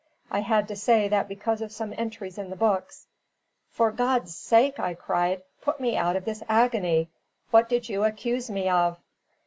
I had to say that because of some entries in the books " "For God's sake," I cried, "put me out of this agony! What did you accuse me of?"